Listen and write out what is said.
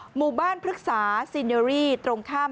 หมู่บ้านพฤกษาซินเดอรี่ตรงข้าม